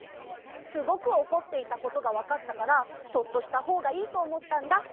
すごくおこっていたことがわかったからそっとしたほうがいいとおもったんだ。